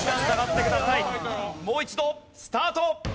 もう一度スタート！